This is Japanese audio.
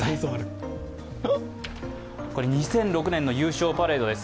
２００６年の優勝パレードです。